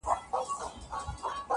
په لومړۍ شپه وو خپل خدای ته ژړېدلی-